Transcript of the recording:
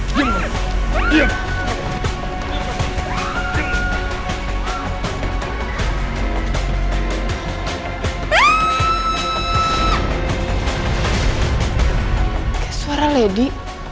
kayak suara lady